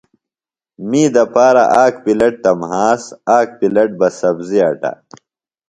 می دپارہ آک پِلیٹ تہ مھاس، آک پِلیٹ بہ سبزیۡ اٹہ۔